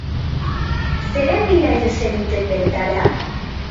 Zeren bila jo zenuten bertara?